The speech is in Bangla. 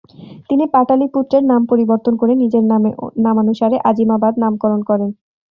তিনি পাটলিপুত্রের নাম পরিবর্তন করে নিজের নামানুসারে আজিমাবাদ নামকরণ করেন।